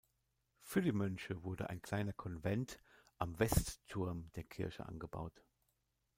Für die Mönche wurde ein kleiner Konvent am Westturm der Kirche angebaut.